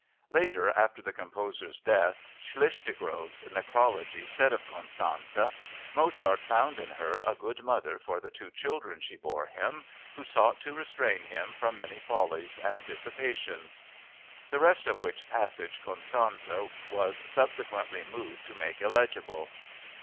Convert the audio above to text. Later, after the composer's death, Schlichtegroll's necrology said of Constanze: "Mozart found in her a good mother for the two children she bore him, who sought to restrain him from many follies and dissipations..."—the rest of which passage Constanze was subsequently moved to make illegible.